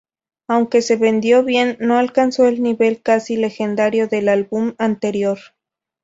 Aunque se vendió bien, no alcanzó el nivel casi legendario del álbum anterior.